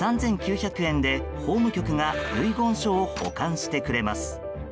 ３９００円で法務局が遺言書を保管してくれます。